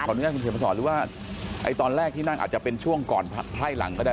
ตอนนี้คุณเฉพาะสอนว่าตอนแรกที่นั่งอาจจะเป็นช่วงก่อนไพ่หลังก็ได้